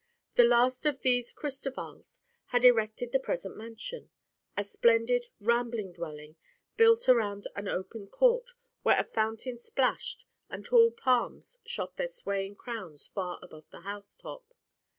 The last of these Cristovals had erected the present mansion—a splendid, rambling dwelling built around an open court where a fountain splashed and tall palms shot their swaying crowns far above the housetop.